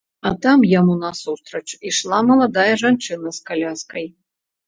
А там яму насустрач ішла маладая жанчына з каляскай.